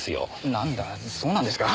なんだそうなんですか。